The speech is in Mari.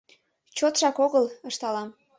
— Чотшак огыл, — ышталам.